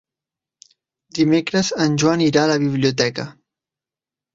Dimecres en Joan irà a la biblioteca.